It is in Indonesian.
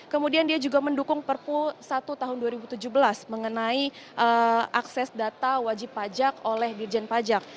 kemudian dia juga mendukung perpu satu tahun dua ribu tujuh belas mengenai akses data wajib pajak oleh dirjen pajak